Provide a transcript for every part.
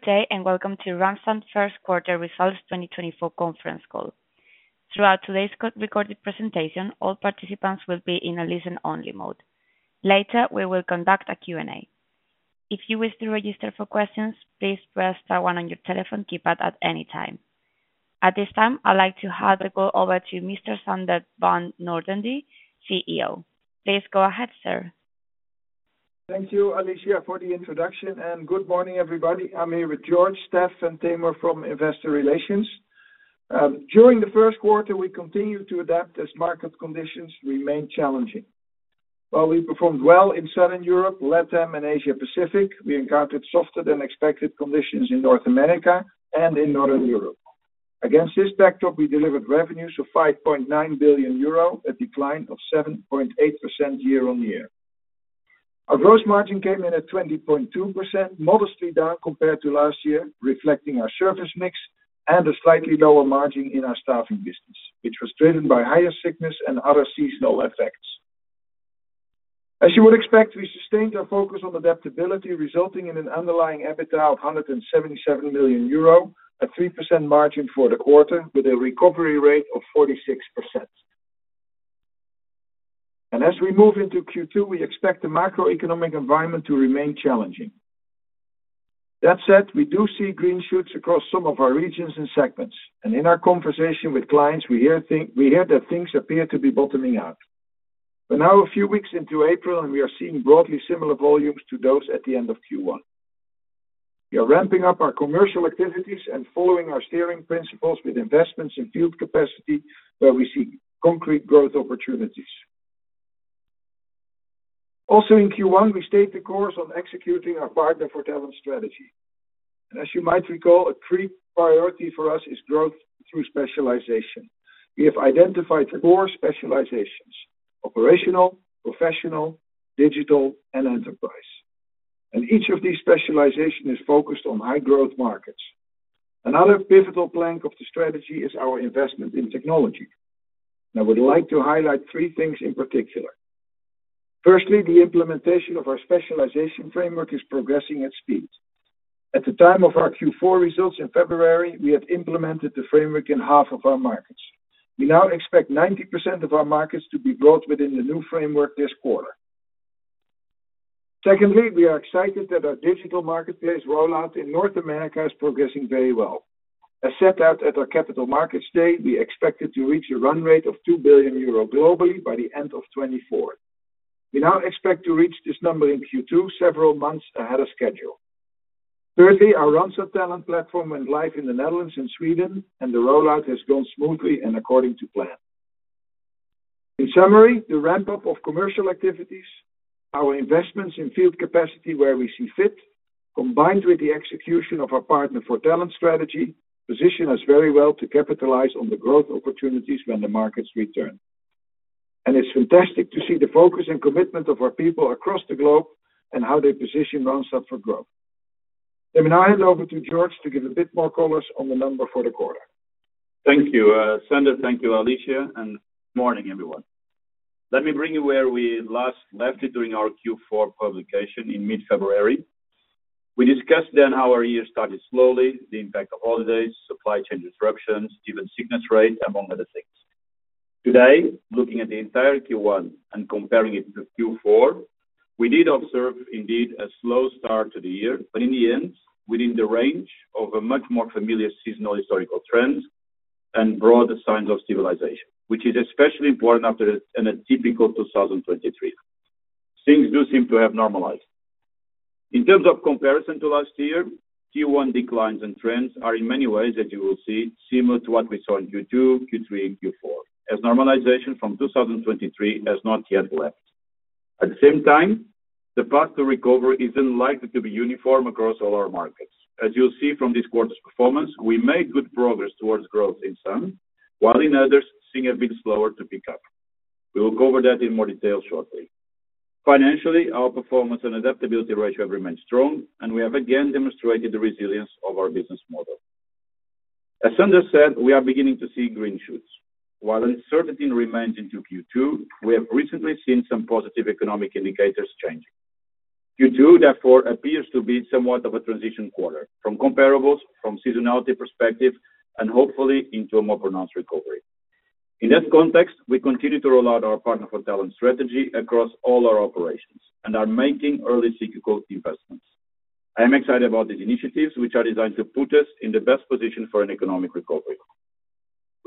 Good day and welcome to Randstad First Quarter Results 2024 conference call. Throughout today's co-recorded presentation, all participants will be in a listen-only mode. Later, we will conduct a Q&A. If you wish to register for questions, please press star 1 on your telephone keypad at any time. At this time, I'd like to hand the call over to Mr. Sander van 't Noordende, CEO. Please go ahead, sir. Thank you, Alicia, for the introduction, and good morning, everybody. I'm here with Jorge, Stef, and Tamer from Investor Relations. During the first quarter, we continued to adapt as market conditions remained challenging. While we performed well in Southern Europe, LATAM, and Asia Pacific, we encountered softer than expected conditions in North America and in Northern Europe. Against this backdrop, we delivered revenues of 5.9 billion euro, a decline of 7.8% year-over-year. Our gross margin came in at 20.2%, modestly down compared to last year, reflecting our service mix and a slightly lower margin in our staffing business, which was driven by higher sickness and other seasonal effects. As you would expect, we sustained our focus on adaptability, resulting in an underlying EBITDA of 177 million euro, a 3% margin for the quarter with a recovery rate of 46%. As we move into Q2, we expect the macroeconomic environment to remain challenging. That said, we do see green shoots across some of our regions and segments, and in our conversation with clients, we hear that things appear to be bottoming out. We're now a few weeks into April, and we are seeing broadly similar volumes to those at the end of Q1. We are ramping up our commercial activities and following our steering principles with investments in field capacity where we see concrete growth opportunities. Also in Q1, we stayed the course on executing our Partner for Talent strategy. And as you might recall, a key priority for us is growth through specialization. We have identified four specializations: operational, professional, digital, and enterprise. And each of these specializations is focused on high-growth markets. Another pivotal plank of the strategy is our investment in technology. I would like to highlight three things in particular. Firstly, the implementation of our specialization framework is progressing at speed. At the time of our Q4 results in February, we had implemented the framework in half of our markets. We now expect 90% of our markets to be brought within the new framework this quarter. Secondly, we are excited that our digital marketplace rollout in North America is progressing very well. As set out at our Capital Markets Day, we expected to reach a run rate of 2 billion euro globally by the end of 2024. We now expect to reach this number in Q2 several months ahead of schedule. Thirdly, our Randstad Talent platform went live in the Netherlands and Sweden, and the rollout has gone smoothly and according to plan. In summary, the ramp-up of commercial activities, our investments in field capacity where we see fit, combined with the execution of our Partner for Talent strategy, position us very well to capitalize on the growth opportunities when the markets return. It's fantastic to see the focus and commitment of our people across the globe and how they position Randstad for growth. I hand over to George to give a bit more color on the numbers for the quarter. Thank you. Sander, thank you, Alicia, and good morning, everyone. Let me bring you where we last left it during our Q4 publication in mid-February. We discussed then how our year started slowly, the impact of holidays, supply chain disruptions, even sickness rate, among other things. Today, looking at the entire Q1 and comparing it to Q4, we did observe, indeed, a slow start to the year, but in the end, within the range of a much more familiar seasonal historical trends and broader signs of stabilization, which is especially important after an atypical 2023. Things do seem to have normalized. In terms of comparison to last year, Q1 declines and trends are, in many ways, as you will see, similar to what we saw in Q2, Q3, and Q4, as normalization from 2023 has not yet left. At the same time, the path to recovery is unlikely to be uniform across all our markets. As you'll see from this quarter's performance, we made good progress towards growth in some, while in others, things have been slower to pick up. We will cover that in more detail shortly. Financially, our performance and adaptability ratio have remained strong, and we have again demonstrated the resilience of our business model. As Sander said, we are beginning to see green shoots. While uncertainty remains into Q2, we have recently seen some positive economic indicators changing. Q2, therefore, appears to be somewhat of a transition quarter from comparables, from seasonality perspective, and hopefully into a more pronounced recovery. In that context, we continue to roll out our Partner for Talent strategy across all our operations and are making early cyclical investments. I am excited about these initiatives, which are designed to put us in the best position for an economic recovery.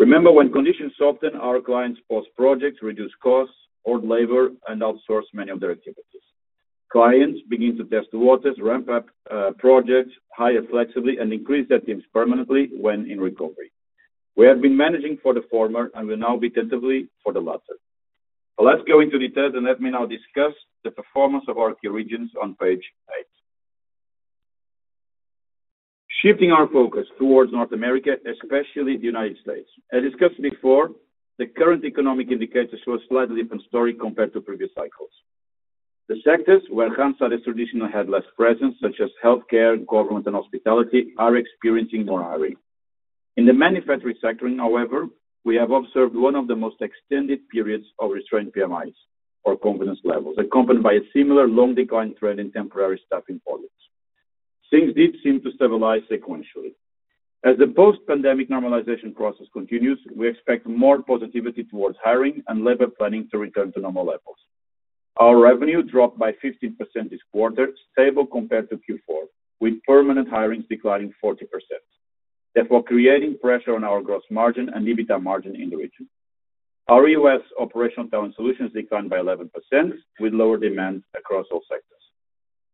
Remember, when conditions soften, our clients pause projects, reduce costs, hoard labor, and outsource many of their activities. Clients begin to test waters, ramp up, projects, hire flexibly, and increase their teams permanently when in recovery. We have been managing for the former and will now be tentatively for the latter. But let's go into detail, and let me now discuss the performance of our key regions on page 8. Shifting our focus toward North America, especially the United States. As discussed before, the current economic indicators show a slightly different story compared to previous cycles. The sectors where Randstad had a traditional heavy presence, such as healthcare, government, and hospitality, are experiencing more hiring. In the manufacturing sector, however, we have observed one of the most extended periods of restrained PMIs, or confidence levels, accompanied by a similar long-decline trend in temporary staffing volumes. Things did seem to stabilize sequentially. As the post-pandemic normalization process continues, we expect more positivity towards hiring and labor planning to return to normal levels. Our revenue dropped by 15% this quarter, stable compared to Q4, with permanent hirings declining 40%. Therefore, creating pressure on our gross margin and EBITDA margin in the region. Our U.S. operational talent solutions declined by 11%, with lower demand across all sectors.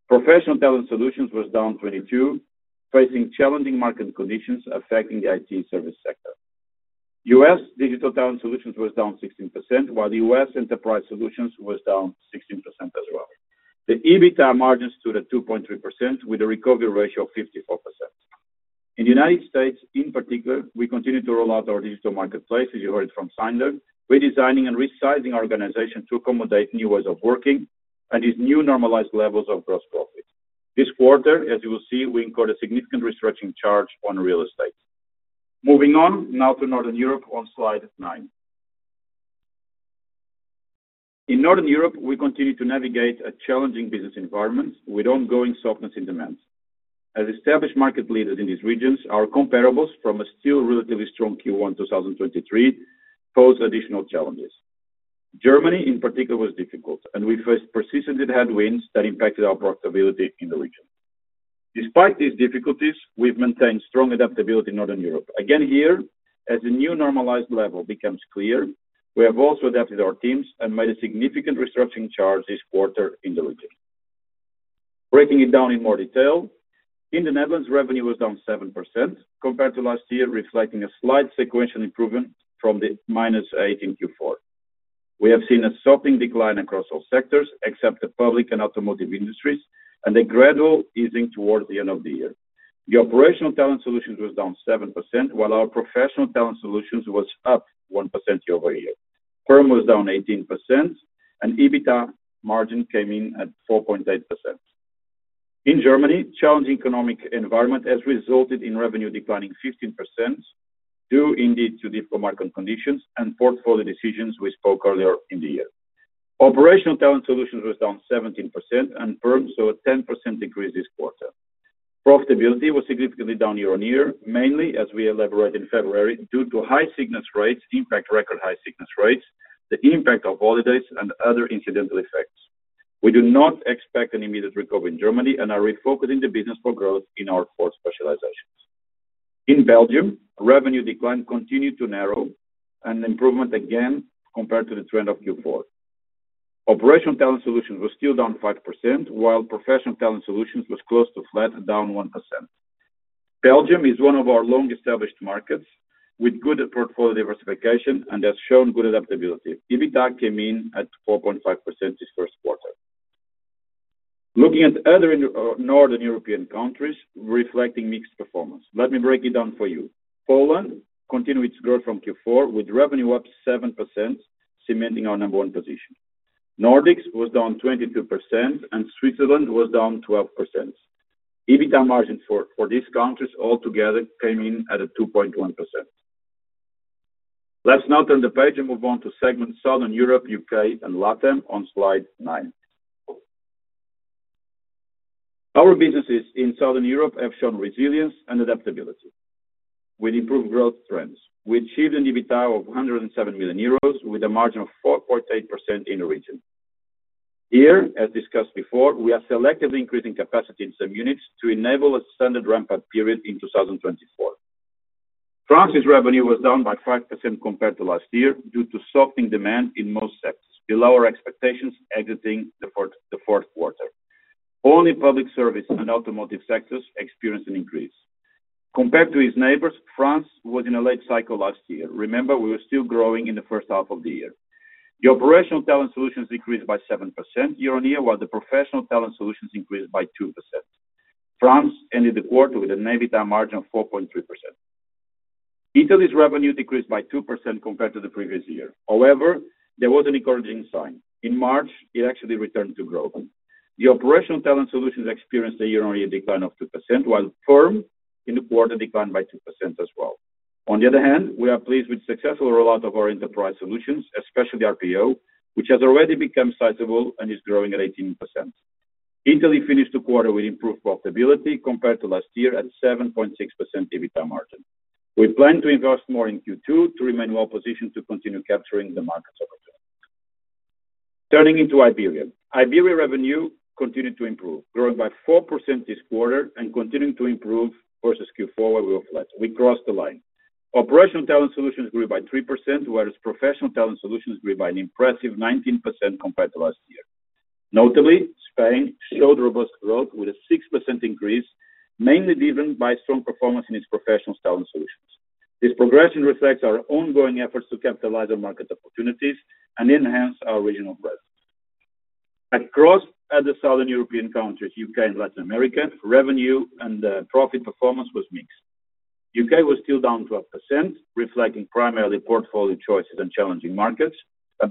Professional talent solutions was down 22%, facing challenging market conditions affecting the IT service sector. U.S. digital talent solutions was down 16%, while the U.S. enterprise solutions was down 16% as well. The EBITDA margin stood at 2.3%, with a recovery ratio of 54%. In the United States, in particular, we continue to roll out our digital marketplace, as you heard it from Sander, redesigning and resizing our organization to accommodate new ways of working and these new normalized levels of gross profit. This quarter, as you will see, we incurred a significant restructuring charge on real estate. Moving on, now to Northern Europe on slide 9. In Northern Europe, we continue to navigate a challenging business environment with ongoing softness in demand. As established market leaders in these regions, our comparables from a still relatively strong Q1 2023 pose additional challenges. Germany, in particular, was difficult, and we faced persistent headwinds that impacted our profitability in the region. Despite these difficulties, we've maintained strong adaptability in Northern Europe. Again here, as a new normalized level becomes clear, we have also adapted our teams and made a significant restructuring charge this quarter in the region. Breaking it down in more detail, in the Netherlands, revenue was down 7% compared to last year, reflecting a slight sequential improvement from the -8% in Q4. We have seen a softening decline across all sectors, except the public and automotive industries, and a gradual easing towards the end of the year. The operational talent solutions was down 7%, while our professional talent solutions was up 1% year-over-year. perm was down 18%, and EBITDA margin came in at 4.8%. In Germany, the challenging economic environment has resulted in revenue declining 15% due, indeed, to difficult market conditions and portfolio decisions we spoke earlier in the year. Operational talent solutions was down 17%, and PERM saw a 10% decrease this quarter. Profitability was significantly down year-on-year, mainly as we elaborated in February due to high sickness rates, in fact, record high sickness rates, the impact of holidays, and other incidental effects. We do not expect an immediate recovery in Germany, and are refocusing the business for growth in our four specializations. In Belgium, revenue decline continued to narrow, an improvement again compared to the trend of Q4. Operational talent solutions was still down 5%, while professional talent solutions was close to flat, down 1%. Belgium is one of our long-established markets, with good portfolio diversification and has shown good adaptability. EBITDA came in at 4.5% this first quarter. Looking at other inner Northern European countries, reflecting mixed performance, let me break it down for you. Poland continued its growth from Q4, with revenue up 7%, cementing our number one position. Nordics was down 22%, and Switzerland was down 12%. EBITDA margin for these countries altogether came in at 2.1%. Let's now turn the page and move on to segments Southern Europe, UK, and LATAM on slide 9. Our businesses in Southern Europe have shown resilience and adaptability with improved growth trends. We achieved an EBITDA of 107 million euros, with a margin of 4.8% in the region. Here, as discussed before, we are selectively increasing capacity in some units to enable a standard ramp-up period in 2024. France's revenue was down by 5% compared to last year due to softening demand in most sectors, below our expectations, exiting the fourth quarter. Only public service and automotive sectors experienced an increase. Compared to its neighbors, France was in a late cycle last year. Remember, we were still growing in the first half of the year. The operational talent solutions decreased by 7% year-on-year, while the professional talent solutions increased by 2%. France ended the quarter with an EBITDA margin of 4.3%. Italy's revenue decreased by 2% compared to the previous year. However, there was an encouraging sign. In March, it actually returned to growth. The operational talent solutions experienced a year-on-year decline of 2%, while PERM in the quarter declined by 2% as well. On the other hand, we are pleased with the successful rollout of our enterprise solutions, especially RPO, which has already become sizable and is growing at 18%. Italy finished the quarter with improved profitability compared to last year at a 7.6% EBITDA margin. We plan to invest more in Q2 to remain well-positioned to continue capturing the market's opportunities. Turning to Iberia. Iberia revenue continued to improve, growing by 4% this quarter and continuing to improve versus Q4 where we were flat. We crossed the line. Operational talent solutions grew by 3%, whereas professional talent solutions grew by an impressive 19% compared to last year. Notably, Spain showed robust growth with a 6% increase, mainly driven by strong performance in its professional talent solutions. This progression reflects our ongoing efforts to capitalize on market opportunities and enhance our regional presence. Across the Southern European countries, UK and Latin America, revenue and profit performance was mixed. UK was still down 12%, reflecting primarily portfolio choices and challenging markets.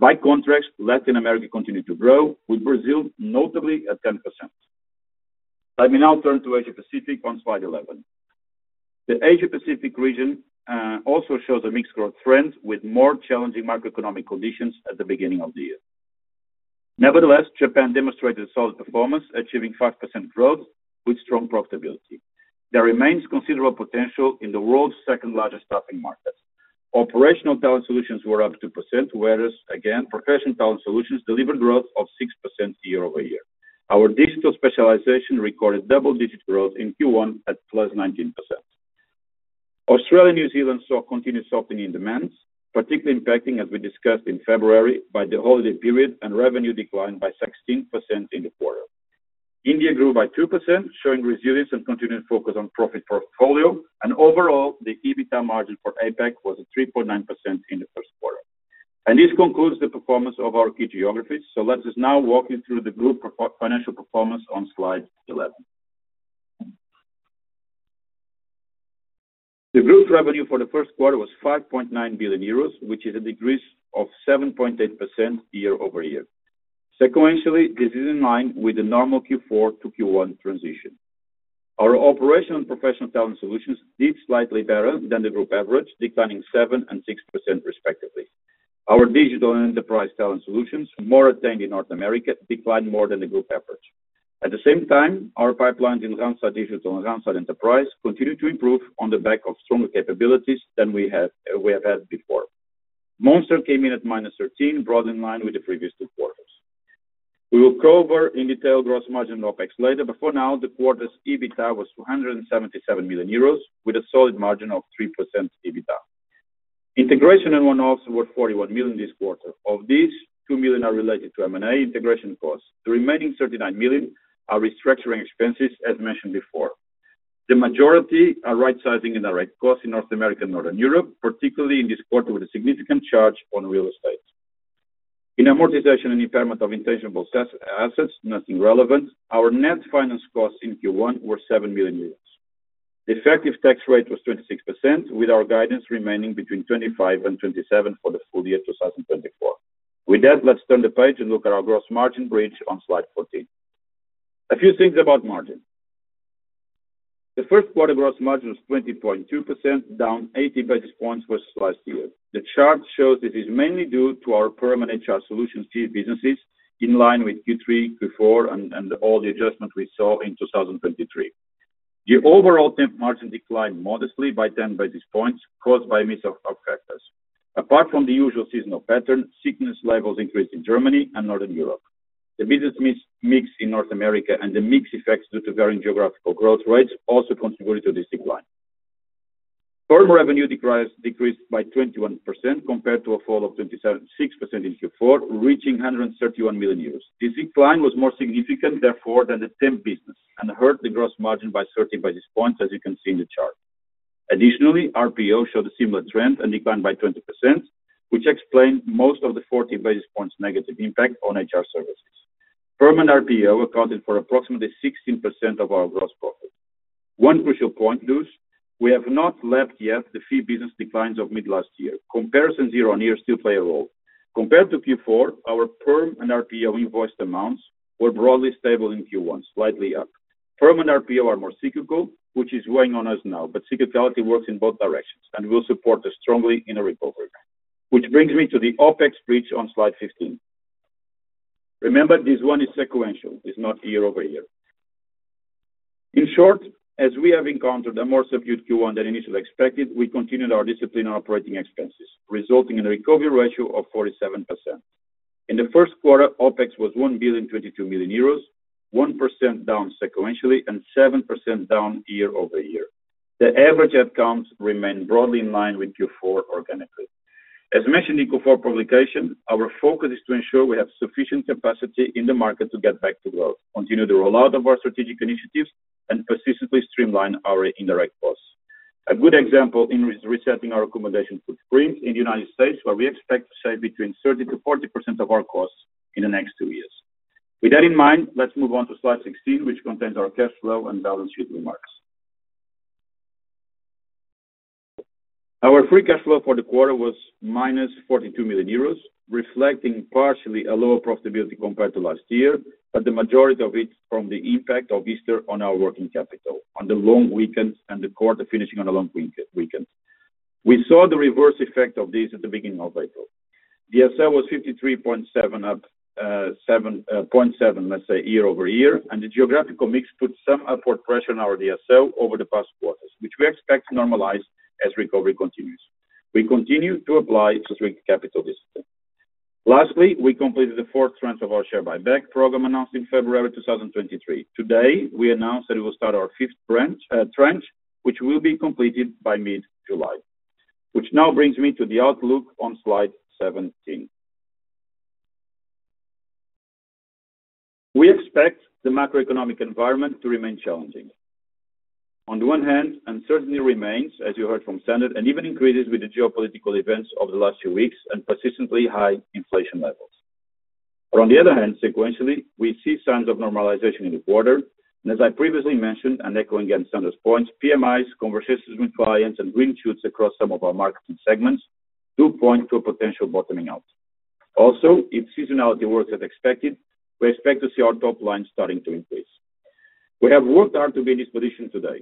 By contrast, Latin America continued to grow, with Brazil notably at 10%. Let me now turn to Asia-Pacific on slide 11. The Asia-Pacific region also shows a mixed growth trend with more challenging macroeconomic conditions at the beginning of the year. Nevertheless, Japan demonstrated a solid performance, achieving 5% growth with strong profitability. There remains considerable potential in the world's second-largest staffing markets. Operational talent solutions were up 2%, whereas, again, professional talent solutions delivered growth of 6% year-over-year. Our digital specialization recorded double-digit growth in Q1 at +19%. Australia and New Zealand saw continued softening in demands, particularly impacting, as we discussed in February, by the holiday period and revenue decline by 16% in the quarter. India grew by 2%, showing resilience and continued focus on profit portfolio. Overall, the EBITDA margin for APAC was 3.9% in the first quarter. This concludes the performance of our key geographies. So let us now walk you through the group's financial performance on slide 11. The group's revenue for the first quarter was 5.9 billion euros, which is a decrease of 7.8% year-over-year. Sequentially, this is in line with the normal Q4 to Q1 transition. Our operational and professional talent solutions did slightly better than the group average, declining 7% and 6% respectively. Our digital and enterprise talent solutions, more attained in North America, declined more than the group average. At the same time, our pipelines in Randstad Digital and Randstad Enterprise continue to improve on the back of stronger capabilities than we have had before. Monster came in at -13%, broadly in line with the previous two quarters. We will cover in detail gross margin and OPEX later, but for now, the quarter's EBITDA was 277 million euros, with a solid margin of 3% EBITDA. Integration and one-offs were 41 million this quarter. Of these, 2 million are related to M&A integration costs. The remaining 39 million are restructuring expenses, as mentioned before. The majority are right-sizing and direct costs in North America and Northern Europe, particularly in this quarter with a significant charge on real estate. In amortization and impairment of intangible assets, nothing relevant. Our net finance costs in Q1 were 7 million euros. The effective tax rate was 26%, with our guidance remaining between 25%-27% for the full year 2024. With that, let's turn the page and look at our gross margin bridge on slide 14. A few things about margin. The first quarter gross margin was 20.2%, down 80 basis points versus last year. The chart shows this is mainly due to our PERM and HR solutions chief businesses in line with Q3, Q4, and all the adjustments we saw in 2023. The overall temp margin declined modestly by 10 basis points, caused by a mix of factors. Apart from the usual seasonal pattern, sickness levels increased in Germany and Northern Europe. The business mix in North America and the mixed effects due to varying geographical growth rates also contributed to this decline. PERM revenue decreased by 21% compared to a fall of 27%, 6% in Q4, reaching 131 million euros. This decline was more significant, therefore, than the temp business and hurt the gross margin by 13 basis points, as you can see in the chart. Additionally, RPO showed a similar trend and declined by 20%, which explained most of the 14 basis points' negative impact on HR services. PERM and RPO accounted for approximately 16% of our gross profit. One crucial point, though: we have not left yet the key business declines of mid-last year. Comparison year-on-year still plays a role. Compared to Q4, our PERM and RPO invoice amounts were broadly stable in Q1, slightly up. PERM and RPO are more cyclical, which is weighing on us now, but cyclicality works in both directions, and we'll support this strongly in a recovery path. Which brings me to the OPEX bridge on slide 15. Remember, this one is sequential, is not year-over-year. In short, as we have encountered a more subdued Q1 than initially expected, we continued our disciplined operating expenses, resulting in a recovery ratio of 47%. In the first quarter, OPEX was 1.22 billion, 1% down sequentially and 7% down year-over-year. The average outcomes remain broadly in line with Q4 organically. As mentioned in Q4 publication, our focus is to ensure we have sufficient capacity in the market to get back to growth, continue the rollout of our strategic initiatives, and persistently streamline our indirect costs. A good example is resetting our accommodation footprint in the United States, where we expect to save between 30%-40% of our costs in the next two years. With that in mind, let's move on to slide 16, which contains our cash flow and balance sheet remarks. Our free cash flow for the quarter was -42 million euros, reflecting partially a lower profitability compared to last year, but the majority of it from the impact of Easter on our working capital, on the long weekend and the quarter finishing on a long weekend. We saw the reverse effect of this at the beginning of April. DSO was 53.7 days up 7%, 0.7%, let's say, year-over-year, and the geographical mix put some upward pressure on our DSO over the past quarters, which we expect to normalize as recovery continues. We continue to apply strict capital discipline. Lastly, we completed the fourth tranche of our share buyback program announced in February 2023. Today, we announce that we will start our fifth tranche, which will be completed by mid-July. Which now brings me to the outlook on slide 17. We expect the macroeconomic environment to remain challenging. On the one hand, uncertainty remains, as you heard from Sander, and even increases with the geopolitical events of the last few weeks and persistently high inflation levels. But on the other hand, sequentially, we see signs of normalization in the quarter. As I previously mentioned and echoing again Sander's points, PMIs, conversations with clients, and green shoots across some of our market segments do point to a potential bottoming out. Also, if seasonality works as expected, we expect to see our top line starting to increase. We have worked hard to be in this position today.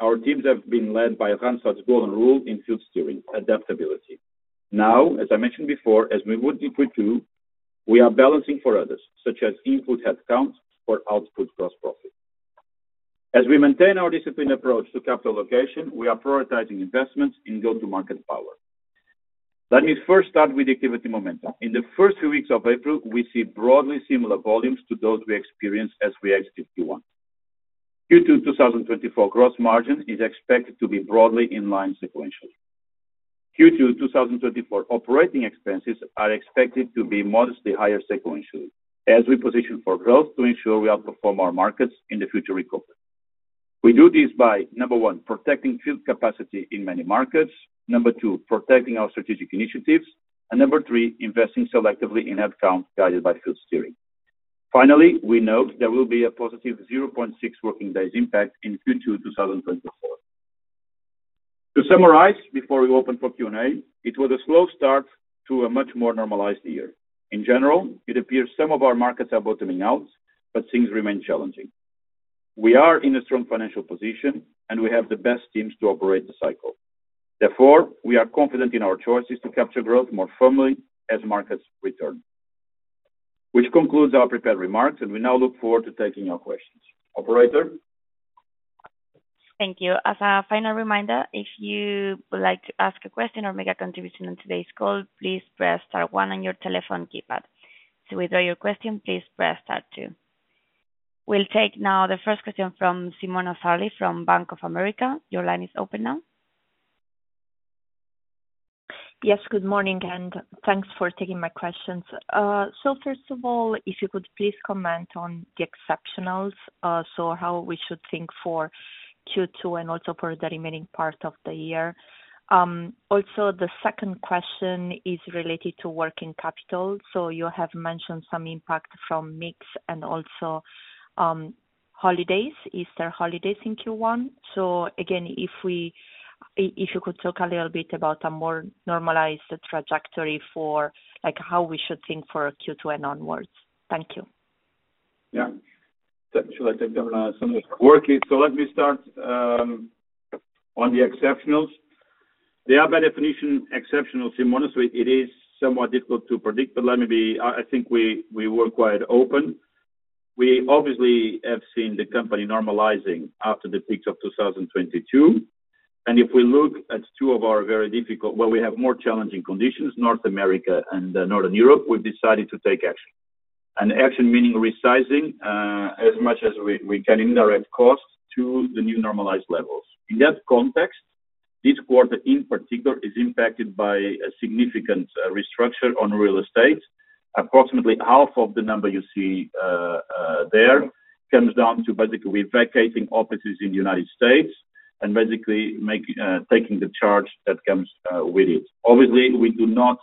Our teams have been led by Randstad's golden rule in FSeld Steering: adaptability. Now, as I mentioned before, as we moved into Q2, we are balancing for others, such as input headcount for output gross profit. As we maintain our disciplined approach to capital allocation, we are prioritizing investments in go-to-market power. Let me first start with the activity momentum. In the first few weeks of April, we see broadly similar volumes to those we experienced as we exited Q1. Q2 2024 gross margin is expected to be broadly in line sequentially. Q2 2024 operating expenses are expected to be modestly higher sequentially, as we position for growth to ensure we outperform our markets in the future recovery. We do this by, number 1, protecting field capacity in many markets. Number 2, protecting our strategic initiatives. And number 3, investing selectively in headcount guided by Field Steering. Finally, we note there will be a positive 0.6 working days impact in Q2 2024. To summarize before we open for Q&A, it was a slow start to a much more normalized year. In general, it appears some of our markets are bottoming out, but things remain challenging. We are in a strong financial position, and we have the best teams to operate the cycle. Therefore, we are confident in our choices to capture growth more firmly as markets return. Which concludes our prepared remarks, and we now look forward to taking your questions. Operator. Thank you. As a final reminder, if you would like to ask a question or make a contribution on today's call, please press star one on your telephone keypad. To withdraw your question, please press star two. We'll take now the first question from Simona Sarli from Bank of America. Your line is open now. Good morning, and thanks for taking my questions. So first of all, if you could please comment on the exceptionals, so how we should think for Q2 and also for the remaining part of the year. Also, the second question is related to working capital. So you have mentioned some impact from mix and also, holidays, Easter holidays in Q1. So again, if you could talk a little bit about a more normalized trajectory for, like, how we should think for Q2 and onwards. Thank you. So actually, like, I've done some work here. So let me start on the exceptionals. They are, by definition, exceptional, Simona. So it, it is somewhat difficult to predict, but let me be I think we, we were quite open. We obviously have seen the company normalizing after the peaks of 2022. And if we look at two of our very difficult well, we have more challenging conditions. North America and Northern Europe, we've decided to take action. And action meaning resizing, as much as we, we can indirect costs to the new normalized levels. In that context, this quarter in particular is impacted by a significant restructuring on real estate. Approximately half of the number you see, there comes down to basically vacating offices in the United States and basically making, taking the charge that comes with it. Obviously, we do not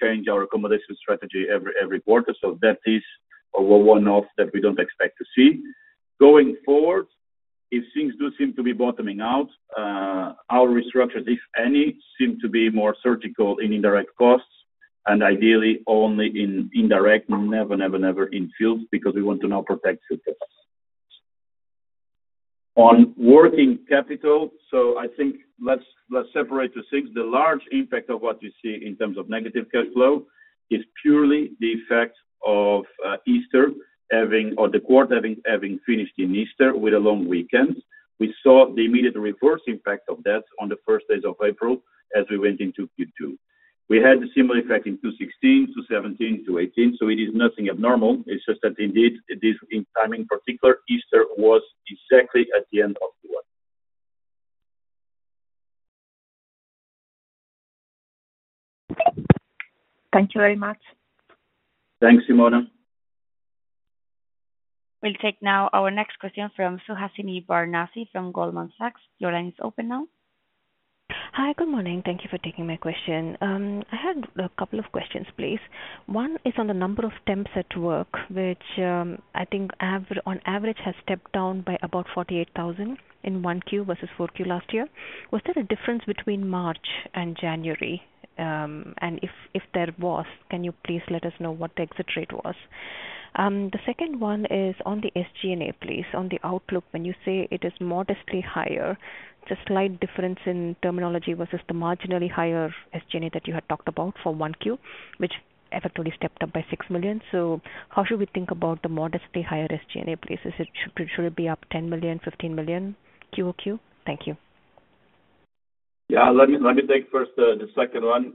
change our accommodation strategy every, every quarter, so that is one-off that we don't expect to see. Going forward, if things do seem to be bottoming out, our restructures, if any, seem to be more surgical in indirect costs and ideally only in indirect, never, never, never in fields because we want to now protect field capital. On working capital, so I think let's, let's separate two things. The large impact of what you see in terms of negative cash flow is purely the effect of Easter having or the quarter having, having finished in Easter with a long weekend. We saw the immediate reverse impact of that on the first days of April as we went into Q2. We had the similar effect in 2016, 2017, 2018. So it is nothing abnormal. It's just that indeed, this time in particular, Easter was exactly at the end of Q1. Thank you very much. Thanks, Simone. We'll take now our next question from Suhasini Varanasi from Goldman Sachs. Your line is open now. Hi. Good morning. Thank you for taking my question. I had a couple of questions, please. One is on the number of temps at work, which, I think averaged on average has stepped down by about 48,000 in Q1 versus Q4 last year. Was there a difference between March and January? And if there was, can you please let us know what the exit rate was? The second one is on the SG&A, please, on the outlook. When you say it is modestly higher, it's a slight difference in terminology versus the marginally higher SG&A that you had talked about for Q1, which effectively stepped up by 6 million. So how should we think about the modestly higher SG&A, please? Is it, should it, should it be up 10 million, 15 million quarter-over-quarter? Thank you. Let me take first the second one.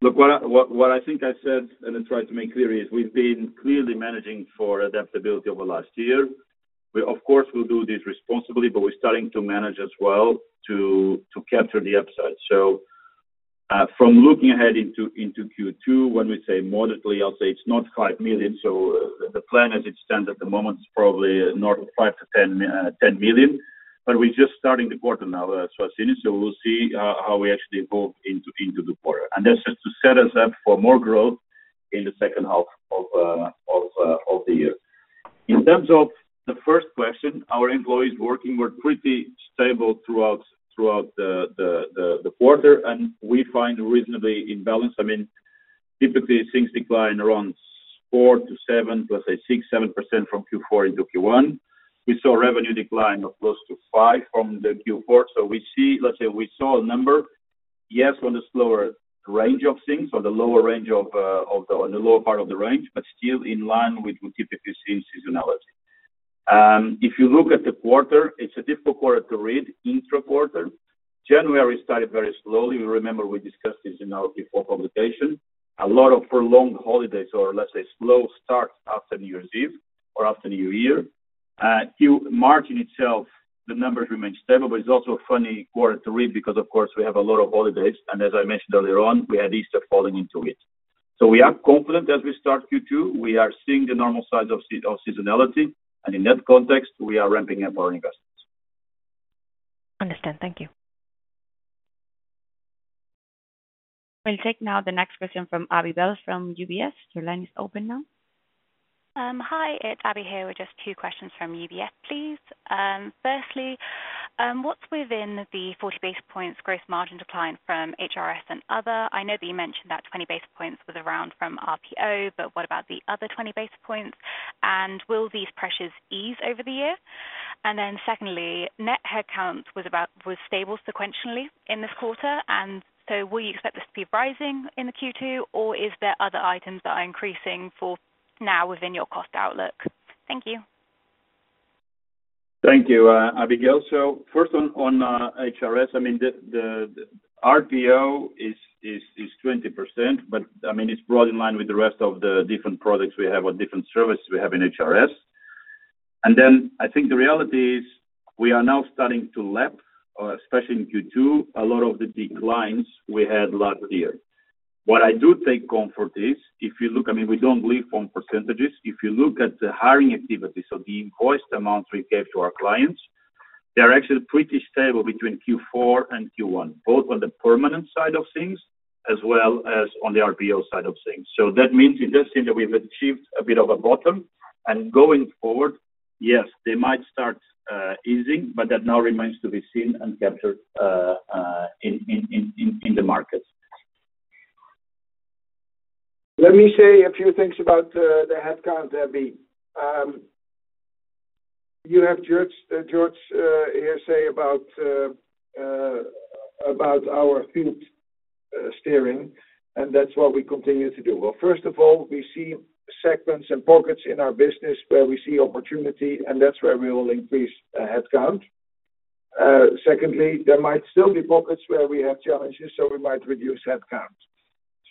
Look, what I think I said and I tried to make clear is we've been clearly managing for adaptability over the last year. We, of course, will do this responsibly, but we're starting to manage as well to capture the upside. So, from looking ahead into Q2, when we say modestly, I'll say it's not 5 million. So, the plan as it stands at the moment is probably north of 5 million-10 million. But we're just starting the quarter now, Suhasini, so we'll see how we actually evolve into the quarter. And that's just to set us up for more growth in the second half of the year. In terms of the first question, our employees working were pretty stable throughout the quarter, and we find reasonably in balance. I mean, typically, things decline around 4-7, let's say, 6-7% from Q4 into Q1. We saw revenue decline of close to 5% from the Q4. So, let's say, we saw a number, yes, on the slower range of things, on the lower range of the lower part of the range, but still in line with what typically see in seasonality. If you look at the quarter, it's a difficult quarter to read, intra-quarter. January started very slowly. We remember we discussed this in our Q4 publication. A lot of prolonged holidays or, let's say, slow starts after New Year's Eve or after New Year. In March in itself, the numbers remain stable, but it's also a funny quarter to read because, of course, we have a lot of holidays. As I mentioned earlier on, we had Easter falling into it. So we are confident as we start Q2. We are seeing the normal signs of seasonality. In that context, we are ramping up our investments. Understood. Thank you. We'll take now the next question from Abbie Bell from UBS. Your line is open now. Hi. It's Abbie here. We're just two questions from UBS, please. First, what's within the 40 basis points gross margin decline from HRS and other? I know that you mentioned that 20 basis points was around from RPO, but what about the other 20 basis points? And will these pressures ease over the year? And then secondly, net headcount was about stable sequentially in this quarter. And so will you expect this to be rising in the Q2, or is there other items that are increasing for now within your cost outlook? Thank you. Thank you, Abbie Bell. So first on HRS, I mean, the RPO is 20%, but I mean, it's broadly in line with the rest of the different products we have or different services we have in HRS. And then I think the reality is we are now starting to lap, especially in Q2, a lot of the declines we had last year. What I do take comfort in is if you look, I mean, we don't live on percentages. If you look at the hiring activity, so the invoiced amounts we gave to our clients, they are actually pretty stable between Q4 and Q1, both on the permanent side of things as well as on the RPO side of things. So that means it does seem that we've achieved a bit of a bottom. Going forward, yes, they might start easing, but that now remains to be seen and captured in the markets. Let me say a few things about the headcount, Abbie. You have George, George, here say about, about our Field Steering, and that's what we continue to do. Well, first of all, we see segments and pockets in our business where we see opportunity, and that's where we will increase headcount. Secondly, there might still be pockets where we have challenges, so we might reduce headcount.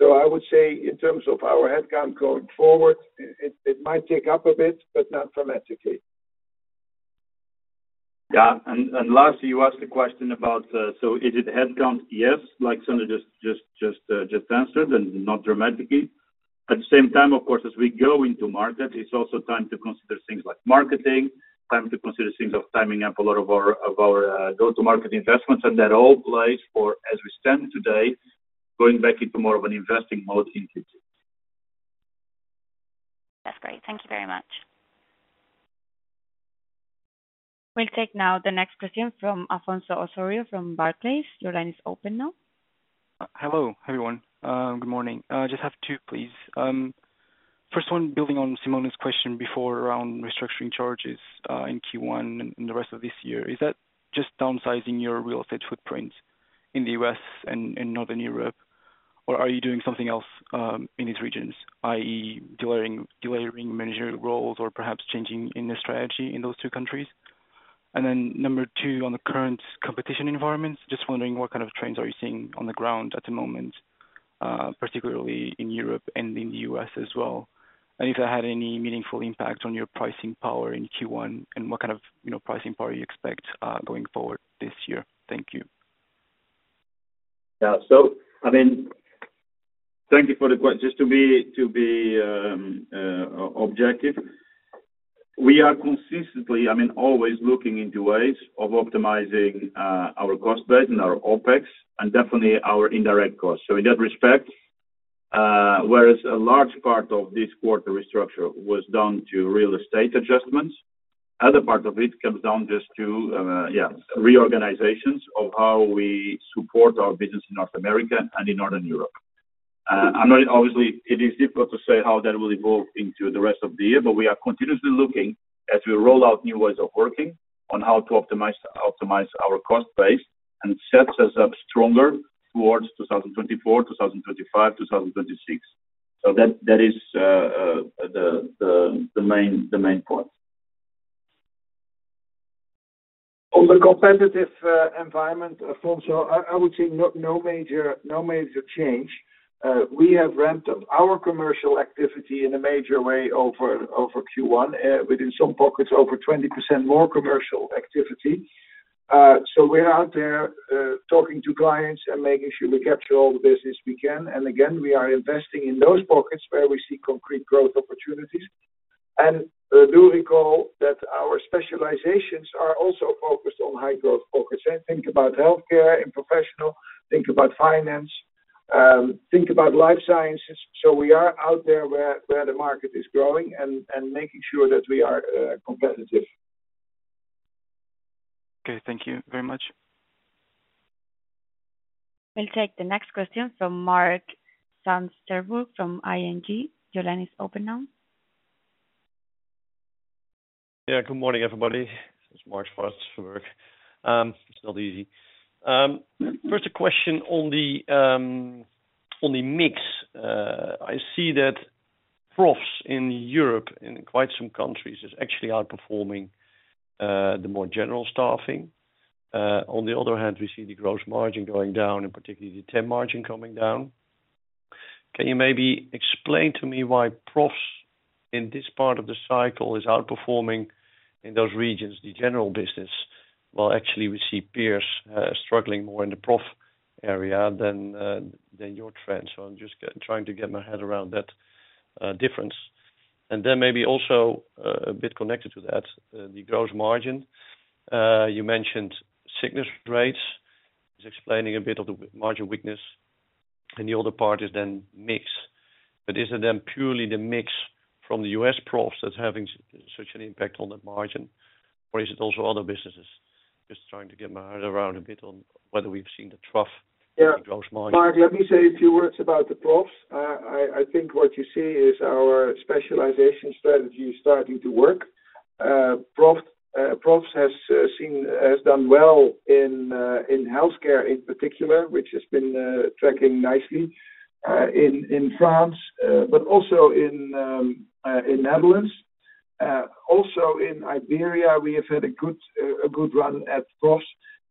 So I would say in terms of our headcount going forward, it, it, it might tick up a bit, but not dramatically. Lastly, you asked a question about, so is it headcount? Yes. Like Sander just answered, and not dramatically. At the same time, of course, as we go into market, it's also time to consider things like marketing, time to consider things of timing up a lot of our go-to-market investments. And that all plays for, as we stand today, going back into more of an investing mode in Q2. That's great. Thank you very much. We'll take now the next question from Afonso Osório from Barclays. Your line is open now. Hello, everyone. Good morning. Just have two, please. First one, building on Simona's question before around restructuring charges, in Q1 and the rest of this year, is that just downsizing your real estate footprint in the U.S. and Northern Europe, or are you doing something else, in these regions, i.e., delayering managerial roles or perhaps changing the strategy in those two countries? And then number two, on the current competitive environment, just wondering what kind of trends are you seeing on the ground at the moment, particularly in Europe and in the U.S. as well, and if that had any meaningful impact on your pricing power in Q1 and what kind of, you know, pricing power you expect, going forward this year. Thank you. So, I mean, thank you for the question. Just to be objective, we are consistently, I mean, always looking into ways of optimizing our cost base and our OPEX and definitely our indirect costs. So in that respect, whereas a large part of this quarter restructure was done to real estate adjustments, other part of it comes down just to, yeah, reorganizations of how we support our business in North America and in Northern Europe. Obviously, it is difficult to say how that will evolve into the rest of the year, but we are continuously looking as we roll out new ways of working on how to optimize our cost base and sets us up stronger towards 2024, 2025, 2026. So that is the main point. On the competitive environment, Afonso, I would say no major change. We have ramped up our commercial activity in a major way over Q1, within some pockets over 20% more commercial activity. So we're out there, talking to clients and making sure we capture all the business we can. And again, we are investing in those pockets where we see concrete growth opportunities. And do recall that our specializations are also focused on high-growth pockets. I think about healthcare and professional. Think about finance. Think about life sciences. So we are out there where the market is growing and making sure that we are competitive. Thank you very much. We'll take the next question from Marc Zwartsenburg from ING. Your line is open now. Good morning, everybody. It's Marc's first work. It's not easy. First, a question on the mix. I see that profs in Europe and in quite some countries is actually outperforming the more general staffing. On the other hand, we see the gross margin going down and particularly the TEM margin coming down. Can you maybe explain to me why profs in this part of the cycle is outperforming in those regions the general business, while actually we see peers struggling more in the prof area than your trend? So I'm just trying to get my head around that difference. And then maybe also, a bit connected to that, the gross margin. You mentioned sickness rates. He's explaining a bit of the margin weakness. And the other part is then mix. But is it then purely the mix from the US profs that's having such an impact on that margin, or is it also other businesses? Just trying to get my head around a bit on whether we've seen the trough. Yeah. In the Gross Margin. Mark, let me say a few words about the profs. I think what you see is our specialization strategy is starting to work. Profs has done well in healthcare in particular, which has been tracking nicely in France, but also in Netherlands. Also in Iberia, we have had a good run at profs.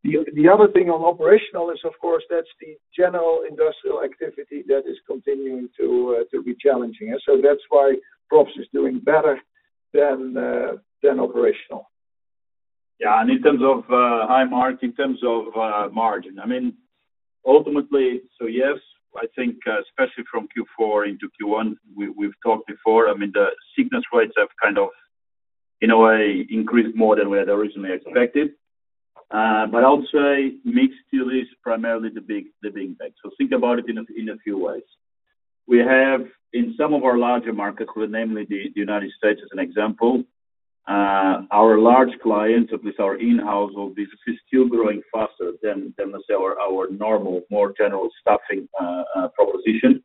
The other thing on operational is, of course, that's the general industrial activity that is continuing to be challenging, and so that's why profs is doing better than operational. Yeah. And in terms of margin, hi, Mark, I mean, ultimately, so yes, I think, especially from Q4 into Q1, we've talked before. I mean, the sickness rates have kind of, in a way, increased more than we had originally expected. I would say mixed still is primarily the big impact. So think about it in a few ways. We have in some of our larger markets, namely the United States as an example, our large clients, at least our in-house business, is still growing faster than let's say our normal, more general staffing proposition.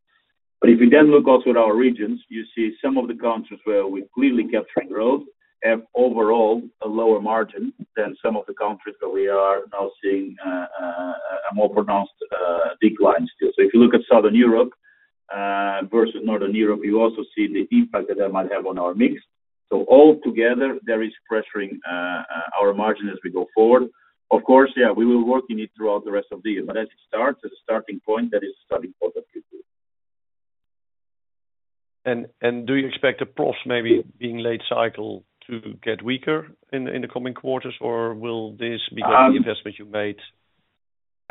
But if you then look also at our regions, you see some of the countries where we're clearly capturing growth have overall a lower margin than some of the countries where we are now seeing a more pronounced decline still. So if you look at Southern Europe versus Northern Europe, you also see the impact that might have on our mix. So altogether, there is pressuring our margin as we go forward. Of course, yeah, we will work in it throughout the rest of the year, but as it starts, as a starting point, that is the starting point of Q2. Do you expect the profs maybe being late-cycle to get weaker in the coming quarters, or will this because the investment you made?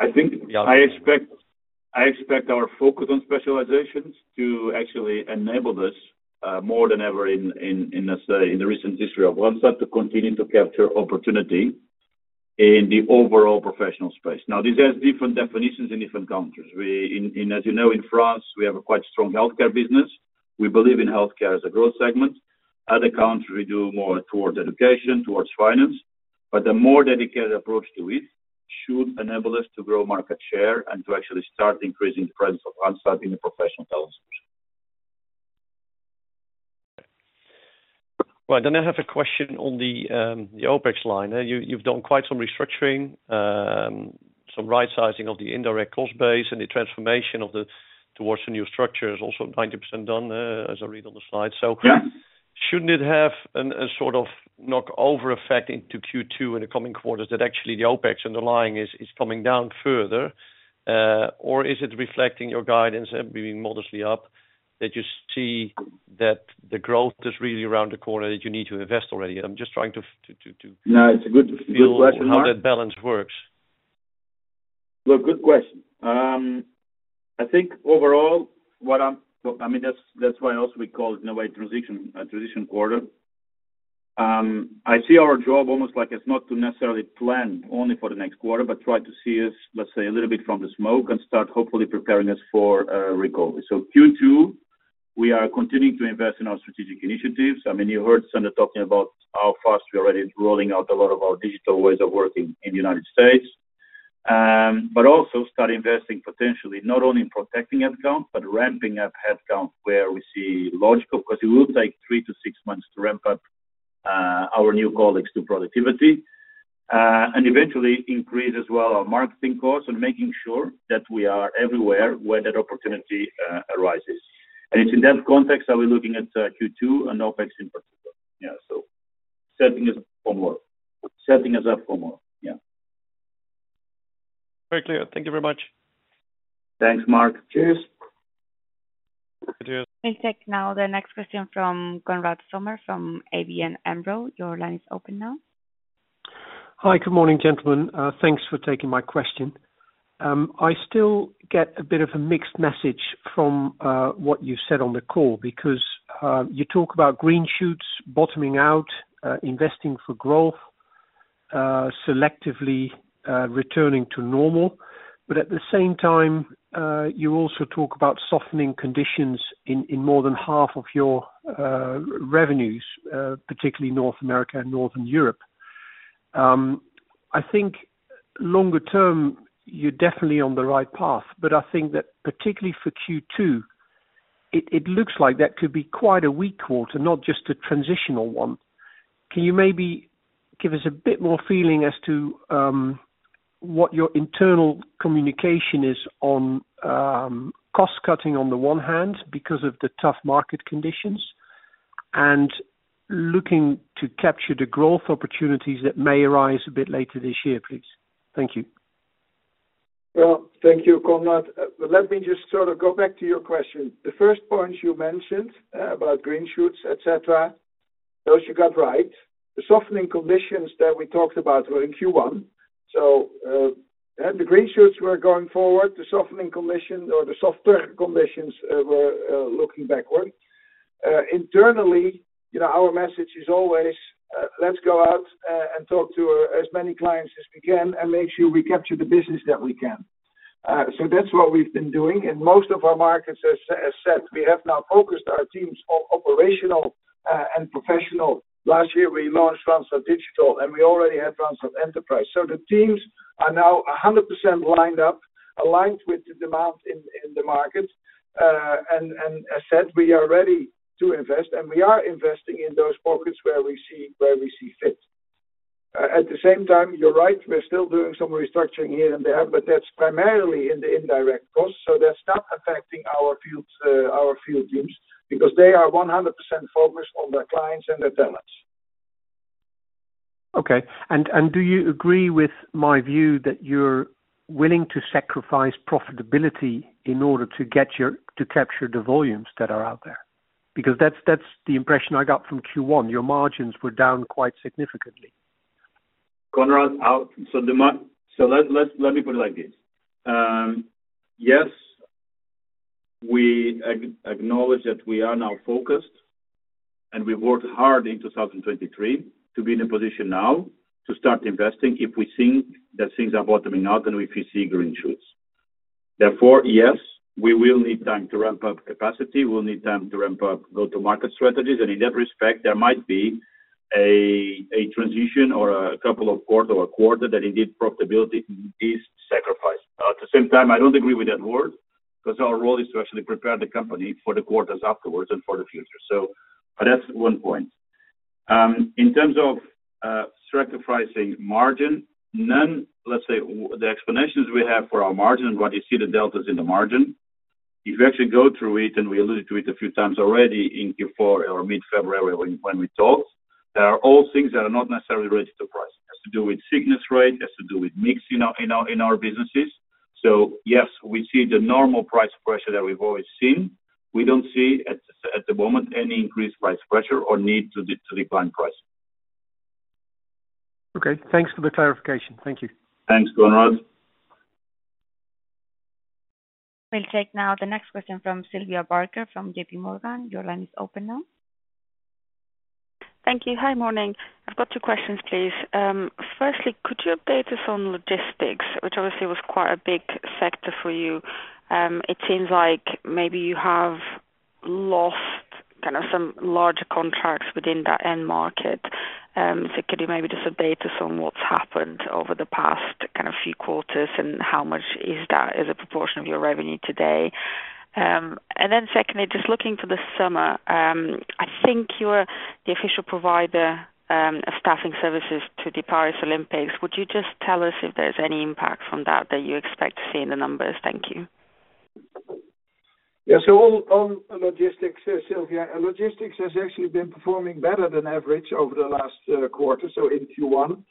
I think I expect our focus on specializations to actually enable this, more than ever in, let's say, in the recent history of Randstad, to continue to capture opportunity in the overall professional space. Now, this has different definitions in different countries. We, as you know, in France, we have a quite strong healthcare business. We believe in healthcare as a growth segment. Other countries, we do more towards education, towards finance. But the more dedicated approach to it should enable us to grow market share and to actually start increasing the presence of Randstad in the professional talents. Well, I then have a question on the OPEX line. You, you've done quite some restructuring, some right-sizing of the indirect cost base, and the transformation towards the new structure is also 90% done, as I read on the slide. So. Yeah. Shouldn't it have a sort of knock-on effect into Q2 in the coming quarters that actually the OPEX underlying is coming down further, or is it reflecting your guidance and being modestly up that you see that the growth is really around the corner, that you need to invest already? I'm just trying to. No, it's a good, good question, Marc. See how that balance works. Look, good question. I think overall, what I'm well, I mean, that's, that's why also we call it, in a way, transition a transition quarter. I see our job almost like it's not to necessarily plan only for the next quarter, but try to see us, let's say, a little bit from the smoke and start hopefully preparing us for recovery. So Q2, we are continuing to invest in our strategic initiatives. I mean, you heard Sander talking about how fast we're already rolling out a lot of our digital ways of working in the United States, but also start investing potentially not only in protecting headcount but ramping up headcount where we see logical because it will take 3-6 months to ramp up our new colleagues to productivity, and eventually increase as well our marketing costs and making sure that we are everywhere where that opportunity arises. It's in that context that we're looking at Q2 and OPEX in particular. Yeah. So setting us up for more. Setting us up for more. Yeah. Very clear. Thank you very much. Thanks, Mark. Cheers. Cheers. We'll take now the next question from Konrad Zomer from ABN AMRO. Your line is open now. Hi. Good morning, gentlemen. Thanks for taking my question. I still get a bit of a mixed message from what you've said on the call because you talk about green shoots bottoming out, investing for growth, selectively, returning to normal. But at the same time, you also talk about softening conditions in more than half of your revenues, particularly North America and Northern Europe. I think longer term, you're definitely on the right path, but I think that particularly for Q2, it looks like that could be quite a weak quarter, not just a transitional one. Can you maybe give us a bit more feeling as to what your internal communication is on cost-cutting on the one hand because of the tough market conditions and looking to capture the growth opportunities that may arise a bit later this year, please? Thank you. Well, thank you, Konrad. Well, let me just sort of go back to your question. The first points you mentioned, about green shoots, etc., those you got right. The softening conditions that we talked about were in Q1. So, yeah, the green shoots were going forward. The softening condition or the softer conditions were looking backward. Internally, you know, our message is always, let's go out and talk to as many clients as we can and make sure we capture the business that we can. So that's what we've been doing. And most of our markets, as said, we have now focused our teams on operational and professional. Last year, we launched Randstad Digital, and we already had Randstad Enterprise. So the teams are now 100% lined up, aligned with the demand in the market. As said, we are ready to invest, and we are investing in those pockets where we see fit. At the same time, you're right. We're still doing some restructuring here and there, but that's primarily in the indirect costs. So that's not affecting our fields, our field teams because they are 100% focused on their clients and their talents. Okay. And, and do you agree with my view that you're willing to sacrifice profitability in order to get to capture the volumes that are out there? Because that's, that's the impression I got from Q1. Your margins were down quite significantly. Konrad, so the market so let's let me put it like this. Yes, we acknowledge that we are now focused, and we worked hard in 2023 to be in a position now to start investing if we think that things are bottoming out and we see green shoots. Therefore, yes, we will need time to ramp up capacity. We'll need time to ramp up go-to-market strategies. And in that respect, there might be a transition or a couple of quarter or a quarter that indeed profitability is sacrificed. At the same time, I don't agree with that word because our role is to actually prepare the company for the quarters afterwards and for the future. So but that's one point. In terms of sacrificing margin, none. Let's say, with the explanations we have for our margin and what you see the deltas in the margin, if you actually go through it, and we alluded to it a few times already in Q4 or mid-February when we talked, there are all things that are not necessarily related to pricing. It has to do with sickness rate. It has to do with mix in our businesses. So yes, we see the normal price pressure that we've always seen. We don't see at the moment any increased price pressure or need to decline pricing. Okay. Thanks for the clarification. Thank you. Thanks, Konrad. We'll take now the next question from Sylvia Barker from J.P. Morgan. Your line is open now. Thank you. Hi, morning. I've got two questions, please. Firstly, could you update us on logistics, which obviously was quite a big sector for you? It seems like maybe you have lost kind of some larger contracts within that end market. So could you maybe just update us on what's happened over the past kind of few quarters and how much is that as a proportion of your revenue today? And then secondly, just looking for the summer, I think you were the official provider of staffing services to the Paris Olympics. Would you just tell us if there's any impact from that that you expect to see in the numbers? Thank you. So on logistics, Sylvia, logistics has actually been performing better than average over the last quarter, so in Q1.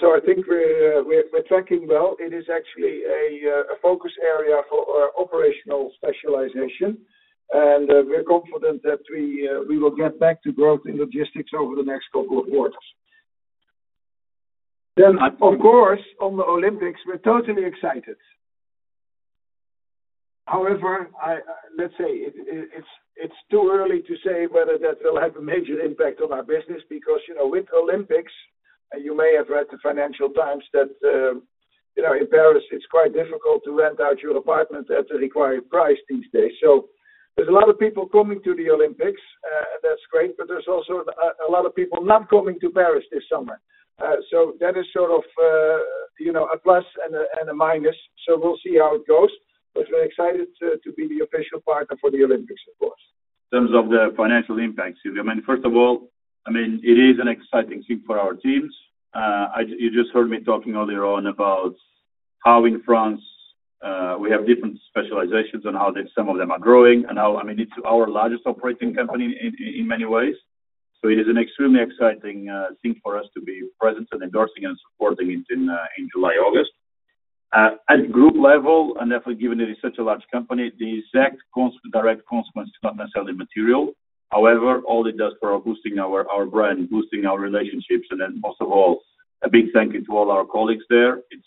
So I think we're tracking well. It is actually a focus area for operational specialization. And we're confident that we will get back to growth in logistics over the next couple of quarters. Then, of course, on the Olympics, we're totally excited. However, let's say it's too early to say whether that will have a major impact on our business because, you know, with Olympics, and you may have read the Financial Times that, you know, in Paris, it's quite difficult to rent out your apartment at the required price these days. So there's a lot of people coming to the Olympics, and that's great. But there's also a lot of people not coming to Paris this summer. That is sort of, you know, a plus and a minus. So we'll see how it goes. But we're excited to be the official partner for the Olympics, of course. In terms of the financial impact, Sylvia, I mean, first of all, I mean, it is an exciting thing for our teams. You just heard me talking earlier on about how in France, we have different specializations and how they, some of them are growing and how, I mean, it's our largest operating company in, in, in many ways. So it is an extremely exciting thing for us to be present and endorsing and supporting it in July, August. At group level, and definitely given it is such a large company, the exact direct consequence is not necessarily material. However, all it does is boost our brand, boost our relationships, and then most of all, a big thank you to all our colleagues there. It's,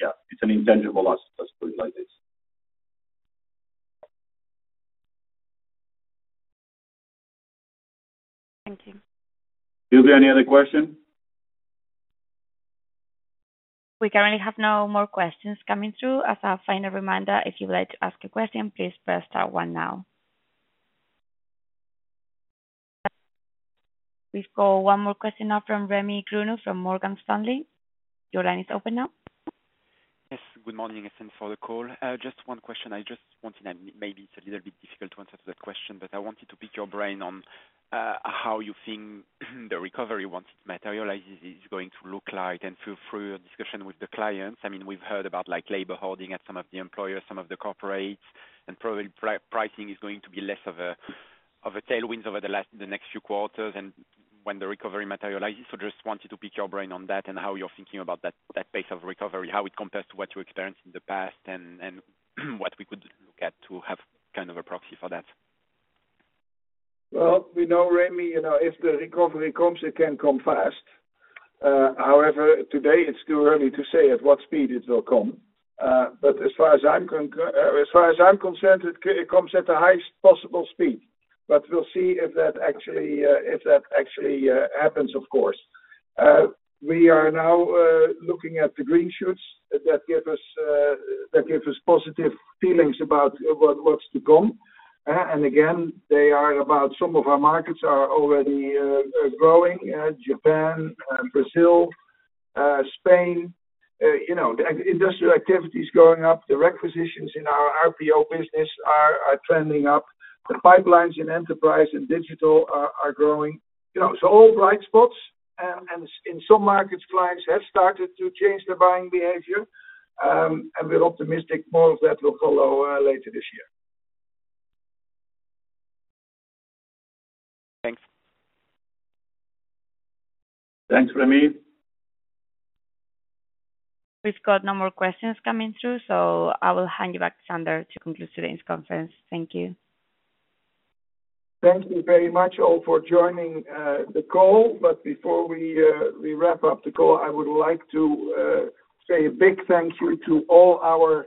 yeah, it's an intangible asset, let's put it like this. Thank you. Sylvia, any other question? We currently have no more questions coming through. As a final reminder, if you would like to ask a question, please press that one now. We've got one more question now from Rémi Grenouilleau from Morgan Stanley. Your line is open now. Yes. Good morning, everyone, for the call. Just one question. I just wanted—I mean, maybe it's a little bit difficult to answer to that question, but I wanted to pick your brain on how you think the recovery, once it materializes, is going to look like. And through your discussion with the clients, I mean, we've heard about, like, labor hoarding at some of the employers, some of the corporates, and probably pricing is going to be less of a tailwind over the next few quarters when the recovery materializes. So just wanted to pick your brain on that and how you're thinking about that pace of recovery, how it compares to what you experienced in the past and what we could look at to have kind of a proxy for that. Well, we know, Rémi, you know, if the recovery comes, it can come fast. However, today, it's too early to say at what speed it will come. But as far as I'm concerned, it comes at the highest possible speed. But we'll see if that actually happens, of course. We are now looking at the green shoots that give us positive feelings about what's to come. And again, they are about some of our markets are already growing, Japan, Brazil, Spain. You know, the industrial activity's going up. The requisitions in our RPO business are trending up. The pipelines in Enterprise and Digital are growing. You know, so all bright spots. And in some markets, clients have started to change their buying behavior. and we're optimistic more of that will follow, later this year. Thanks. Thanks, Remy. We've got no more questions coming through, so I will hand you back, Sander, to conclude today's conference. Thank you. Thank you very much all for joining the call. But before we wrap up the call, I would like to say a big thank you to all our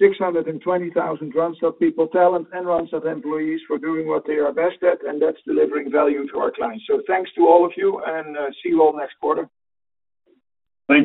620,000 Randstad people, talent, and Randstad employees for doing what they are best at, and that's delivering value to our clients. So thanks to all of you, and see you all next quarter. Thank you.